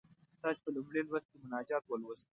تاسې په لومړي لوست کې مناجات ولوست.